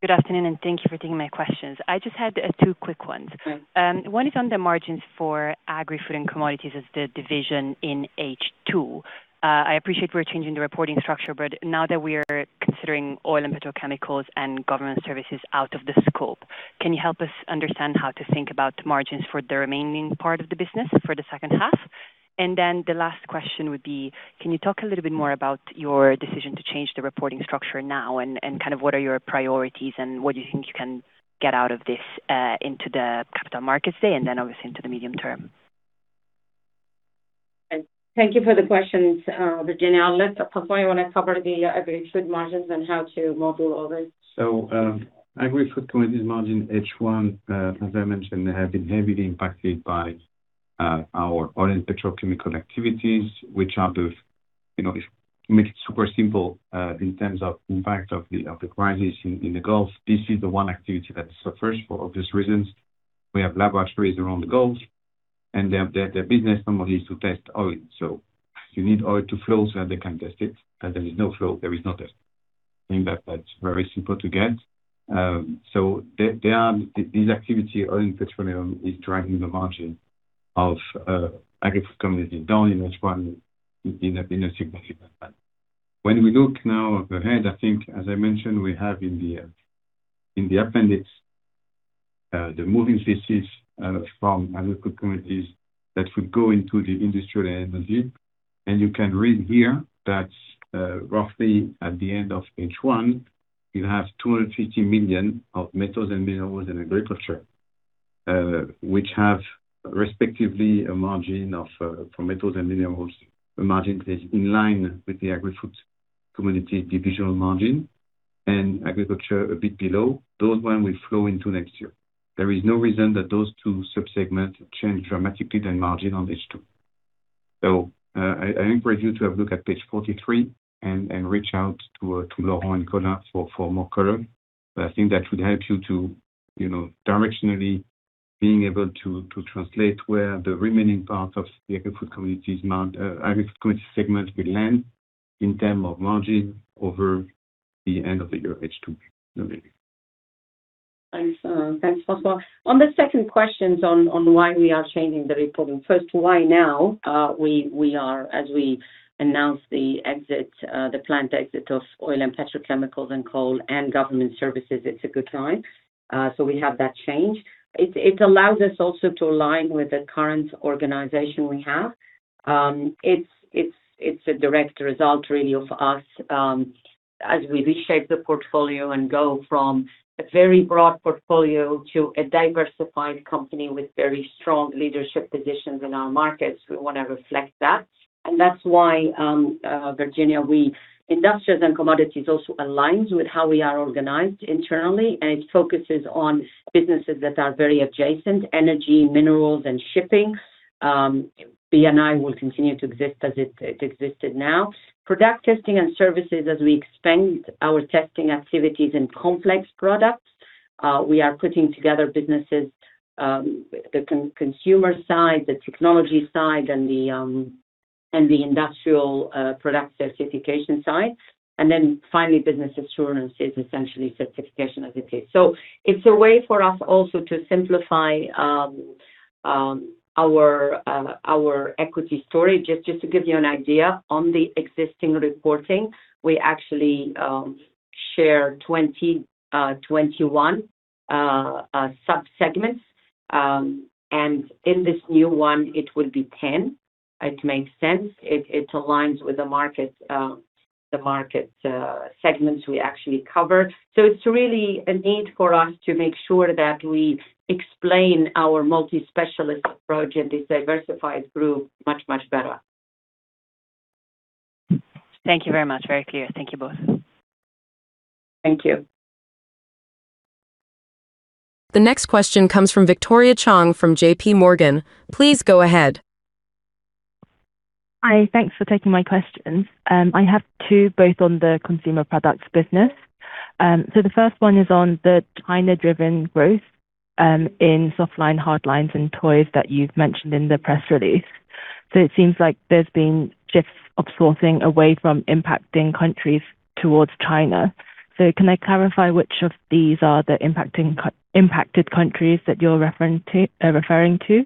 Good afternoon and thank you for taking my questions. I just had two quick ones. Okay. One is on the margins for Agri-Food & Commodities as the division in H2. I appreciate we're changing the reporting structure, now that we're considering oil and petrochemicals and Government Services out of the scope, can you help us understand how to think about margins for the remaining part of the business for the second half? The last question would be, can you talk a little bit more about your decision to change the reporting structure now, and kind of what are your priorities and what do you think you can get out of this into the Capital Markets Day and then obviously into the medium term? Thank you for the questions, Virginia. François, you want to cover the Agri-Food margins and how to model all this? Agri-Food & Commodities margin H1, as I mentioned, have been heavily impacted by our oil and petrochemical activities. To make it super simple, in terms of impact of the crisis in the Gulf, this is the one activity that suffers for obvious reasons. We have laboratories around the Gulf, and their business normally is to test oil. You need oil to flow so that they can test it. If there is no flow, there is no test. I think that's very simple to get. This activity, oil and petroleum, is driving the margin of Agri-Food & Commodities down in H1 in a significant way. When we look now ahead, I think as I mentioned, we have in the appendix the moving pieces from Agri-Food & Commodities that would go into the Industrials & Commodities. You can read here that roughly at the end of H1, you have 250 million of metals and minerals in agriculture which have respectively a margin of, for metals and minerals, a margin that is in line with the Agri-Food & Commodities divisional margin, and agriculture a bit below. Those one will flow into next year. There is no reason that those two sub-segments change dramatically their margin on H2. I encourage you to have a look at page 43 and reach out to Laurent and Colin for more color. I think that should help you to directionally being able to translate where the remaining part of the Agri-Food & Commodities segment will land in term of margin over the end of the year H2. Over to you. Thanks. Thanks, François. On the second questions on why we are changing the reporting. First, why now? We are, as we announce the planned exit of oil and petrochemicals and coal and government services, it's a good time. We have that change. It allows us also to align with the current organization we have. It's a direct result, really, of us as we reshape the portfolio and go from a very broad portfolio to a diversified company with very strong leadership positions in our markets. We want to reflect that. That's why, Virginia, Industrials and Commodities also aligns with how we are organized internally, and it focuses on businesses that are very adjacent: energy, minerals, and shipping. B&I will continue to exist as it existed now. Product Testing & Services, as we expand our testing activities in complex products, we are putting together businesses, the consumer side, the technology side, and the industrial product certification side. Finally, Business Assurance is essentially certification as it is. It's a way for us also to simplify our equity story. Just to give you an idea on the existing reporting, we actually share 20, 21 sub-segments, and in this new one, it will be 10. It makes sense. It aligns with the market segments we actually cover. It's really a need for us to make sure that we explain our multi-specialist approach and this diversified group much, much better. Thank you very much. Very clear. Thank you both. Thank you. The next question comes from Victoria Chang from JPMorgan. Please go ahead. Hi, thanks for taking my questions. I have two, both on the Consumer Products business. The first one is on the China-driven growth in softline, hardlines, and toys that you've mentioned in the press release. It seems like there's been shifts of sourcing away from impacting countries towards China. Can I clarify which of these are the impacted countries that you're referring to?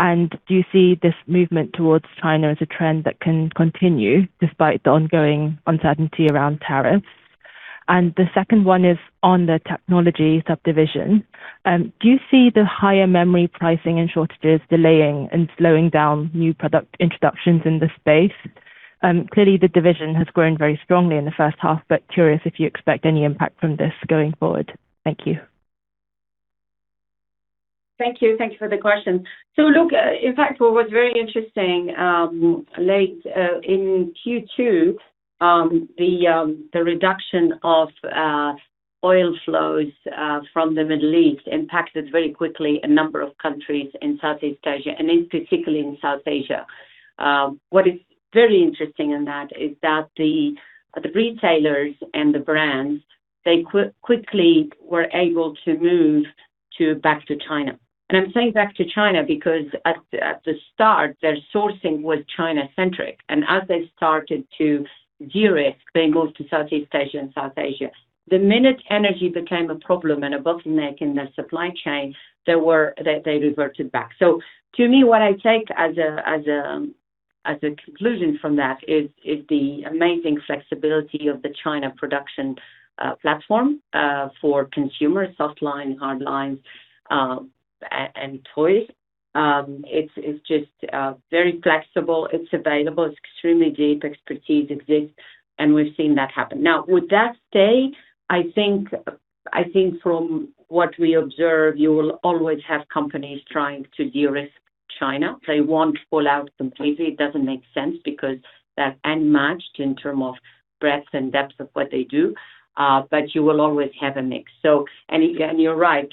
Do you see this movement towards China as a trend that can continue despite the ongoing uncertainty around tariffs? The second one is on the technology subdivision. Do you see the higher memory pricing and shortages delaying and slowing down new product introductions in this space? Clearly, the division has grown very strongly in the first half, but curious if you expect any impact from this going forward. Thank you. Thank you. Thank you for the question. Look, in fact, what was very interesting, late in Q2, the reduction of oil flows from the Middle East impacted very quickly a number of countries in Southeast Asia and in particular in South Asia. What is very interesting in that is that the retailers and the brands, they quickly were able to move back to China. I'm saying back to China because at the start, their sourcing was China-centric. As they started to de-risk, they moved to Southeast Asia and South Asia. The minute energy became a problem and a bottleneck in the supply chain, they reverted back. To me, what I take as a conclusion from that is the amazing flexibility of the China production platform for consumer softline, hardline, and toys. It's just very flexible. It's available, it's extremely deep, expertise exists, we've seen that happen. Would that stay? I think from what we observe, you will always have companies trying to de-risk China. They won't pull out completely. It doesn't make sense because they're unmatched in term of breadth and depth of what they do. You will always have a mix. You're right,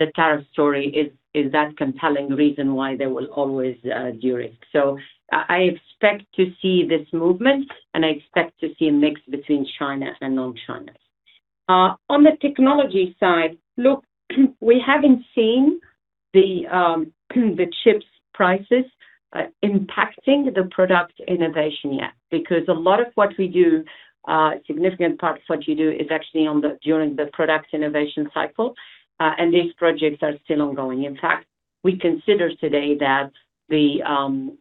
the tariff story is that compelling reason why they will always de-risk. I expect to see this movement, and I expect to see a mix between China and non-China. On the technology side, look, we haven't seen the chips prices impacting the product innovation yet. A lot of what we do, a significant part of what you do is actually during the product innovation cycle, and these projects are still ongoing. In fact, we consider today that the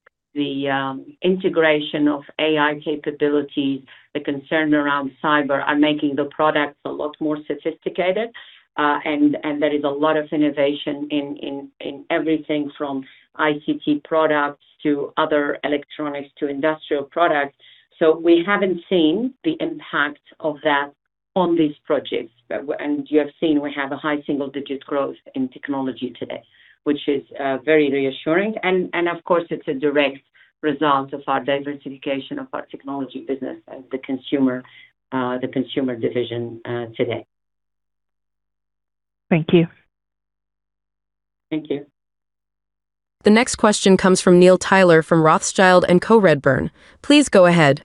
integration of AI capabilities, the concern around cyber are making the products a lot more sophisticated. There is a lot of innovation in everything from ICT products to other electronics to industrial products. We haven't seen the impact of that on these projects. You have seen we have a high single-digit growth in technology today, which is very reassuring. Of course, it's a direct result of our diversification of our technology business as the consumer division today. Thank you. Thank you. The next question comes from Neil Tyler from Rothschild & Co. Redburn. Please go ahead.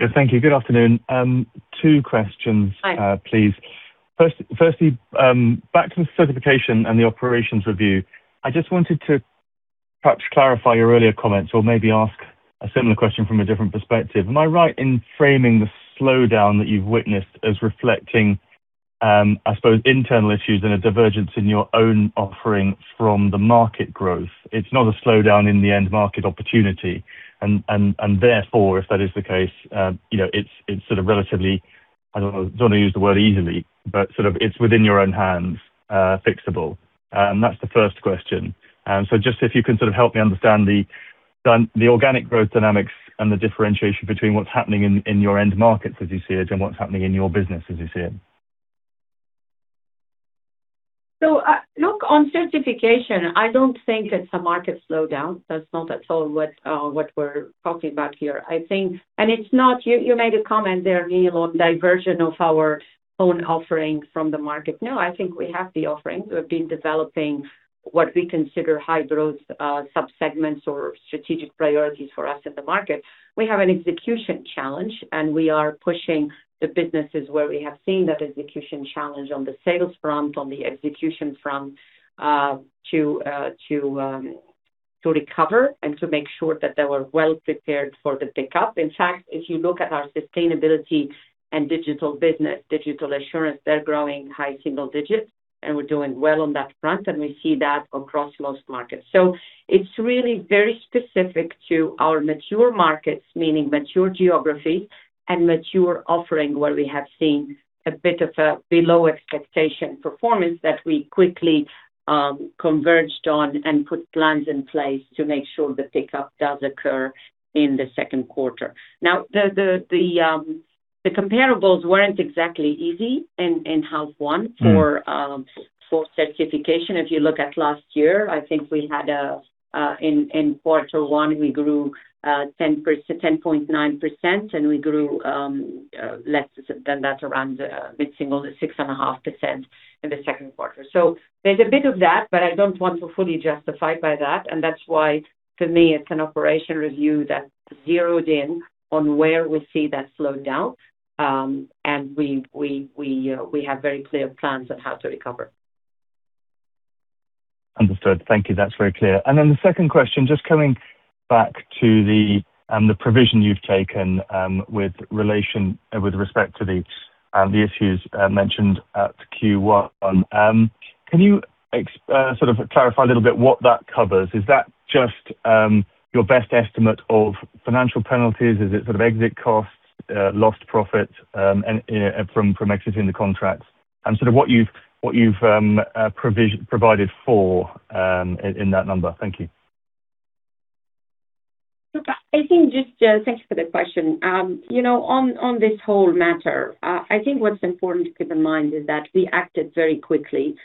Yeah, thank you. Good afternoon. Two questions- Hi. -please. Firstly, back to the certification and the operations review. I just wanted to perhaps clarify your earlier comments or maybe ask a similar question from a different perspective. Am I right in framing the slowdown that you've witnessed as reflecting, I suppose, internal issues and a divergence in your own offering from the market growth? It's not a slowdown in the end market opportunity, and therefore, if that is the case, it's sort of relatively, I don't want to use the word easily, but it's within your own hands, fixable. That's the first question. Just if you can sort of help me understand the organic growth dynamics and the differentiation between what's happening in your end markets as you see it and what's happening in your business as you see it. Look, on certification, I don't think it's a market slowdown. That's not at all what we're talking about here. You made a comment there, Neil, on diversion of our own offering from the market. I think we have the offerings. We have been developing what we consider high-growth sub-segments or strategic priorities for us in the market. We have an execution challenge, and we are pushing the businesses where we have seen that execution challenge on the sales front, on the execution front, to recover and to make sure that they were well prepared for the pickup. In fact, if you look at our sustainability and digital business, digital assurance, they're growing high single digits, and we're doing well on that front, and we see that across most markets. It's really very specific to our mature markets, meaning mature geographies and mature offering, where we have seen a bit of a below-expectation performance that we quickly converged on and put plans in place to make sure the pickup does occur in the second quarter. The comparables weren't exactly easy in half one for certification. If you look at last year, I think in quarter one, we grew 10.9%, and we grew less than that, around mid-single, at 6.5% in the second quarter. There's a bit of that, but I don't want to fully justify by that, and that's why, to me, it's an operation review that zeroed in on where we see that slowdown. We have very clear plans on how to recover. Understood. Thank you. That's very clear. Then the second question, just coming back to the provision you've taken with respect to the issues mentioned at Q1. Can you clarify a little bit what that covers? Is that just your best estimate of financial penalties? Is it exit costs, lost profit from exiting the contracts, and what you've provided for in that number? Thank you. Look, thank you for the question. On this whole matter, I think what's important to keep in mind is that we acted very quickly,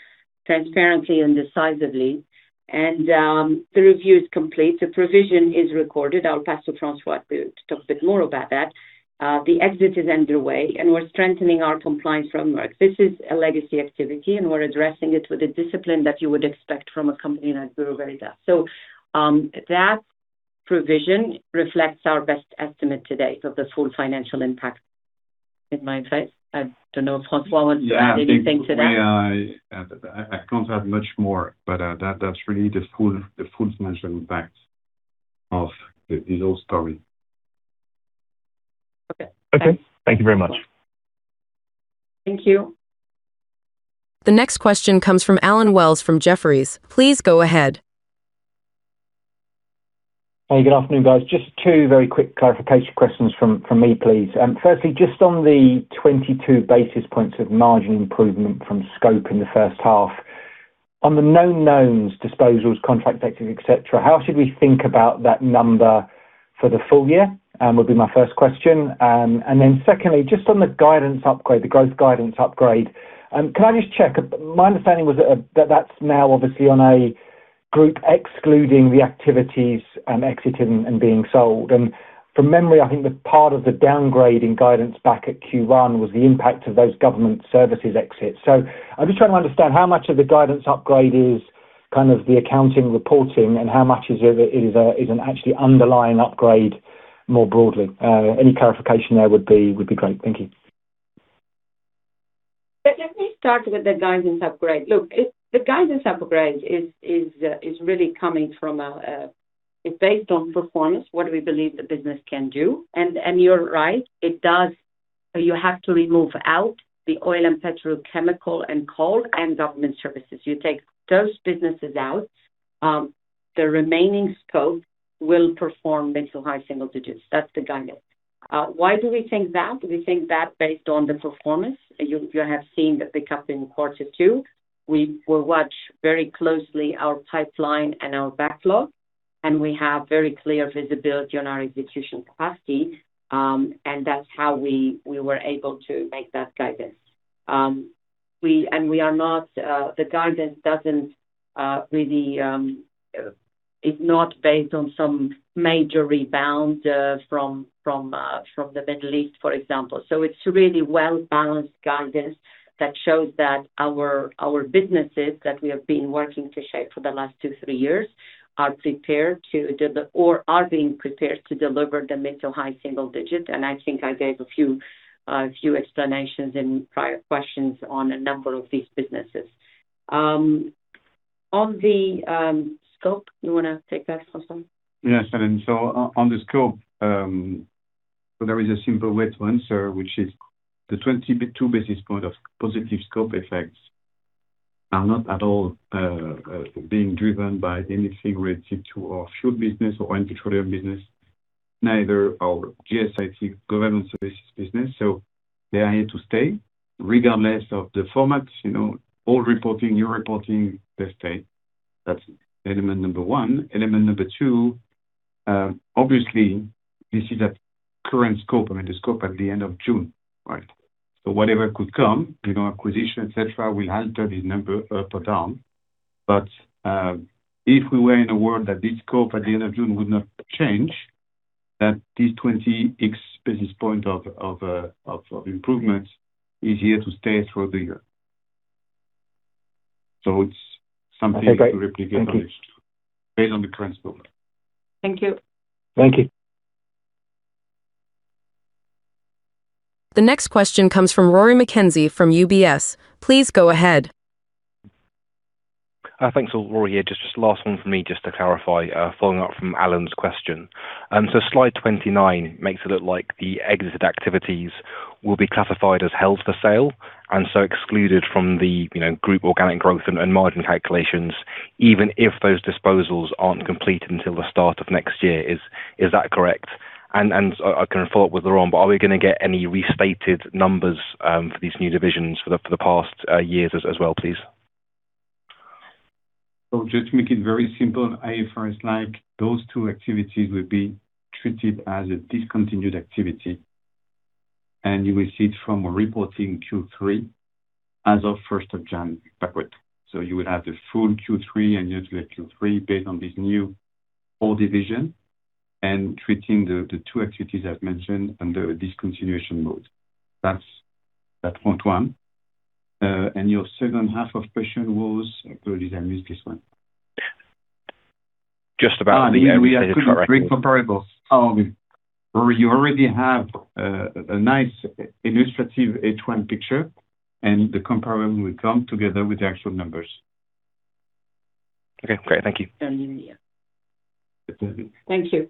transparently, and decisively. The review is complete. The provision is recorded. I'll pass to François to talk a bit more about that. The exit is underway, and we're strengthening our compliance framework. This is a legacy activity, and we're addressing it with a discipline that you would expect from a company like Bureau Veritas. That provision reflects our best estimate to date of the full financial impact in my insight. I don't know if François wants to add anything to that. Yeah, I think I can't add much more, that's really the full financial impact of the whole story. Okay. Thank you very much. Thank you. The next question comes from Allen Wells from Jefferies. Please go ahead. Hey, good afternoon, guys. Just two very quick clarification questions from me, please. Firstly, just on the 22 basis points of margin improvement from scope in the first half. On the known knowns, disposals, contract activity, et cetera, how should we think about that number for the full year? Would be my first question. Secondly, just on the growth guidance upgrade, can I just check? My understanding was that that's now obviously on a group excluding the activities exited and being sold. From memory, I think that part of the downgrade in guidance back at Q1 was the impact of those government services exits. I'm just trying to understand how much of the guidance upgrade is the accounting reporting and how much is an actually underlying upgrade more broadly. Any clarification there would be great. Thank you. Let me start with the guidance upgrade. Look, the guidance upgrade is based on performance, what we believe the business can do. You're right, you have to remove out the oil and petrochemical and coal and Government services. You take those businesses out, the remaining scope will perform mid to high single digits. That's the guidance. Why do we think that? We think that based on the performance. You have seen the pickup in quarter two. We will watch very closely our pipeline and our backlog, and we have very clear visibility on our execution capacity. That's how we were able to make that guidance. The guidance is not based on some major rebound from the Middle East, for example. It's a really well-balanced guidance that shows that our businesses that we have been working to shape for the last two, three years are prepared or are being prepared to deliver the mid to high single digits. I think I gave a few explanations in prior questions on a number of these businesses. On the scope, you want to take that, François? Yes, Allen. On the scope, there is a simple way to answer, which is the 22 basis point of positive scope effects are not at all being driven by anything related to offshore business or oil and petroleum business, neither our GSIT, Government services business. They are here to stay regardless of the formats, old reporting, new reporting, they stay. That's element number one. Element number two. Obviously, this is a current scope. I mean, the scope at the end of June. Whatever could come, acquisition, et cetera, will alter the number up or down. But if we were in a world that this scope at the end of June would not change, that this 20 ex basis point of improvements is here to stay through the year. It's something to replicate- Okay, great. Thank you. -based on the current scope. Thank you. Thank you. The next question comes from Rory McKenzie from UBS. Please go ahead. Thanks. Well, Rory here. Last one from me, just to clarify, following up from Allen's question. Slide 29 makes it look like the exited activities will be classified as held for sale, and so excluded from the group organic growth and margin calculations, even if those disposals aren't complete until the start of next year. Is that correct? I can follow up with Laurent, but are we going to get any restated numbers for these new divisions for the past years as well, please? Just to make it very simple, IFRS, like those two activities, would be treated as a discontinued activity. You will see it from reporting Q3 as of 1st of January backward. You would have the full Q3 and usually Q3 based on this new whole division and treating the two activities I've mentioned under a discontinuation mode. That's point one. Your second half of question was, probably did I miss this one. Just about the area-- We actually bring comparables. Rory, you already have a nice illustrative H1 picture, and the comparison will come together with the actual numbers. Okay, great. Thank you. Thank you.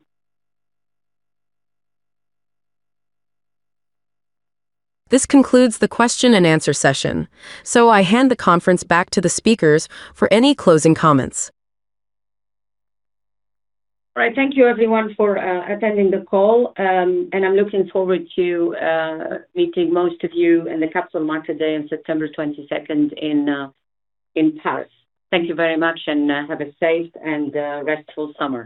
This concludes the question and answer session. I hand the conference back to the speakers for any closing comments. All right. Thank you everyone for attending the call, and I'm looking forward to meeting most of you in the Capital Markets Day on September 22nd in Paris. Thank you very much, and have a safe and restful summer.